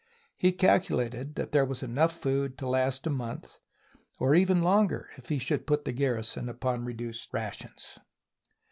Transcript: He calculated that there was enough food to last a month, or even longer if he should put the garrison upon reduced rations.